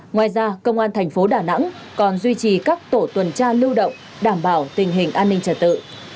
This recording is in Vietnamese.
ngoài ra công an thành phố đà nẵng còn duy trì các tổ tuần tra lưu động đảm bảo tình hình an ninh trật tự